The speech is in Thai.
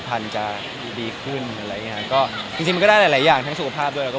เพราะเราก็กินแต่ผัก